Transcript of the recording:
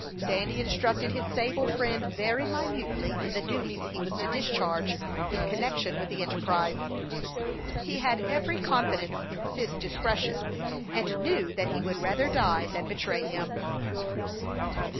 Dandy instructed his sable friend very minutely in the duties he was to discharge in connection with the enterprise. He had every confidence in Cyd's discretion, and knew that he would rather die than betray him.